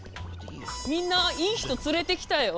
みんないい人連れてきたよ。